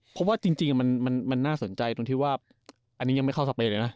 เพราะว่าจริงมันน่าสนใจตรงที่ว่าอันนี้ยังไม่เข้าสเปนเลยนะ